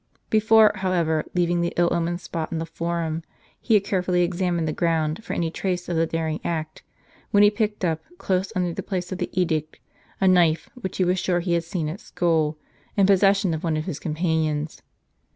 Before, however, leaving the ill omened spot in the Forum, he had carefully examined the ground, for any trace of the daring act ; when he picked up, close under the place of the edict, a knife, which he was sure he had seen at school, in possession of one of his companions.